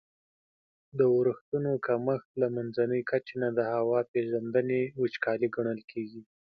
د اورښتونو کمښت له منځني کچي نه د هوا پیژندني وچکالي ګڼل کیږي.